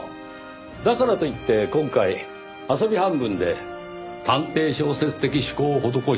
だからといって今回遊び半分で探偵小説的趣向を施したのではありません。